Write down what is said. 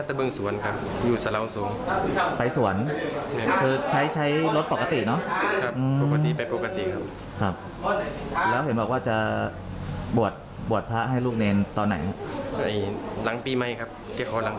เดี๋ยวพวกเขียนไปไหนครับอยากมาหาหรือกลับตามเครื่อง